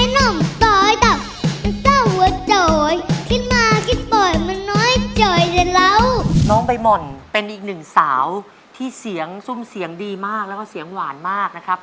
น้องใบหม่อนเป็นอีกหนึ่งสาวที่เสียงซุ่มเสียงดีมากแล้วก็เสียงหวานมากนะครับ